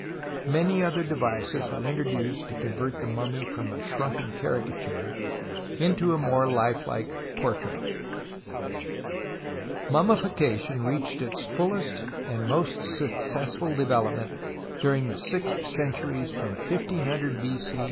INIany otlier devices were introduced to convert the mummy from a shrunken cari cature into a more life like portrait. Mummification reached its fullest and most successful development during the six cen turies from 1500 B.C.